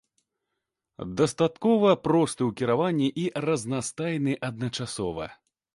Дастаткова просты ў кіраванні і разнастайны адначасова.